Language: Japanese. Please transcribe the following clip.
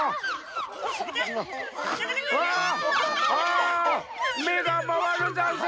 あああああめがまわるざんす。